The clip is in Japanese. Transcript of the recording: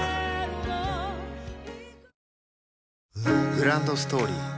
グランドストーリー